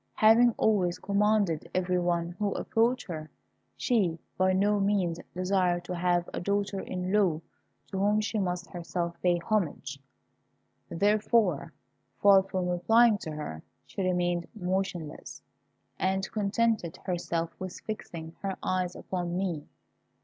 Having always commanded every one who approached her, she by no means desired to have a daughter in law to whom she must herself pay homage. Therefore, far from replying to her, she remained motionless, and contented herself with fixing her eyes upon me.